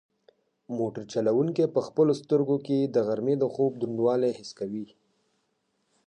موټر چلونکی په خپلو سترګو کې د غرمې د خوب دروندوالی حس کوي.